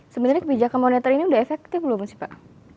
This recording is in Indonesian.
sebenarnya kebijakan moneter ini sudah efektif belum sih pak